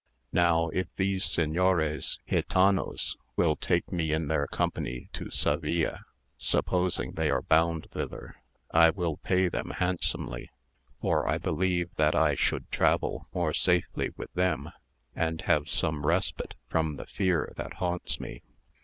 Now if these señores gitanos will take me in their company to Seville, supposing they are bound thither, I will pay them handsomely; for I believe that I should travel more safely with them, and have some respite from the fear that haunts me."